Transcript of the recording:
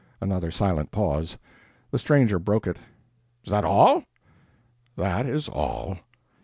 Another silent pause. The stranger broke it: "Is that all?" "That is all."